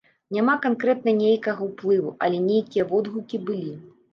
Няма канкрэтна нейкага ўплыву, але нейкія водгукі былі.